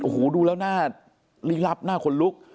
หูดูแล้วหน้าลิลับหน้าคนลุก